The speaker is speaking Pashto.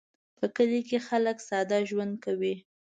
په کلي کې خلک ساده ژوند کوي